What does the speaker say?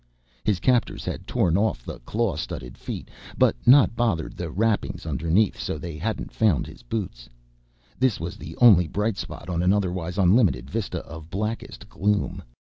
His captors had torn off the claw studded feet but not bothered the wrappings underneath, so they hadn't found his boots. This was the only bright spot on an otherwise unlimited vista of blackest gloom.